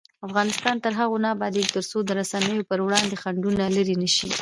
افغانستان تر هغو نه ابادیږي، ترڅو د رسنیو پر وړاندې خنډونه لیرې نشي.